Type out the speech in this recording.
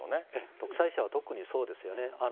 独裁者は特にそうですよね。